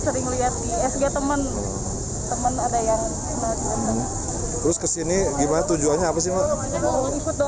tidak kenal cuma sering melihat di sg teman teman ada yang melihat